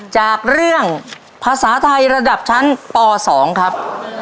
จากเรื่องภาษาไทยระดับชั้นป๒ครับ